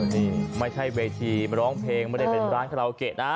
นี่ไม่ใช่เวทีร้องเพลงไม่ได้เป็นร้านคาราโอเกะนะ